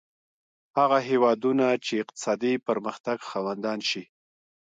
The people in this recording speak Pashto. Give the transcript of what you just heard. هغه هېوادونه چې اقتصادي پرمختګ خاوندان شي.